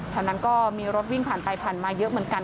แถวนั้นก็มีรถวิ่งผ่านไปผ่านมาเยอะเหมือนกัน